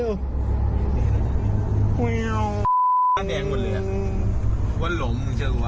วัดหลงมึงเจอปะ